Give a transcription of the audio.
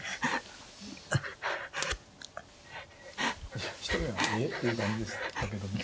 いや一目は「え？」っていう感じでしたけども。